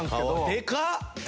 でかっ！